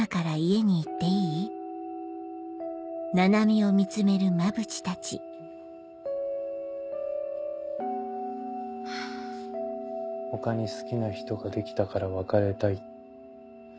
気付いハァ「他に好きな人ができたから別れたい」。